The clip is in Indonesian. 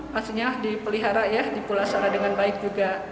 pastinya dipelihara ya dipulasara dengan baik juga